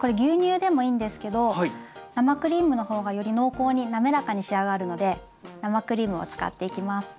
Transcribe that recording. これ牛乳でもいいんですけど生クリームの方がより濃厚に滑らかに仕上がるので生クリームを使っていきます。